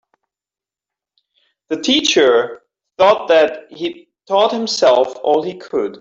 The teacher thought that he'd taught himself all he could.